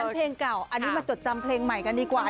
เป็นเพลงเก่าอันนี้มาจดจำเพลงใหม่กันดีกว่า